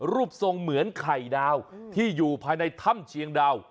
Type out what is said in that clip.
รูปทรงเหมือนไข่ดาวที่อยู่ภายในถ้ำเชียงดาว